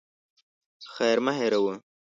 خير مه هېروه.